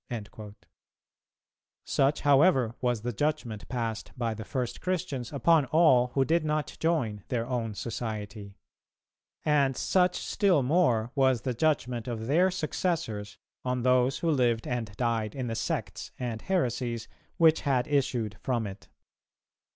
"[268:2] Such, however, was the judgment passed by the first Christians upon all who did not join their own society; and such still more was the judgment of their successors on those who lived and died in the sects and heresies which had issued from it.